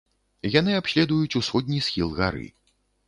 Яны абследуюць усходні схіл гары.